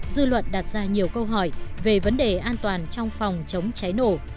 dư luận đặt ra nhiều câu hỏi về vấn đề an toàn trong phòng chống cháy nổ